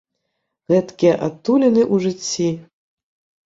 Гэткія адтуліны ў жыцці.